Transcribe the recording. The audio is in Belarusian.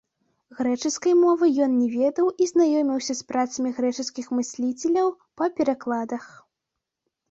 Грэчаскай мовы ён не ведаў і знаёміўся з працамі грэчаскіх мысліцеляў па перакладах.